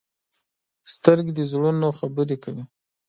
سترګې د زړونو خبرې کوي